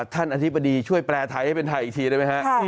อธิบดีช่วยแปลไทยให้เป็นไทยอีกทีได้ไหมฮะ